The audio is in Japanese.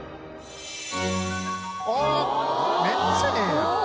あっめっちゃええやん。